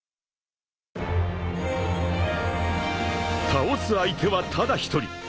［倒す相手はただ一人］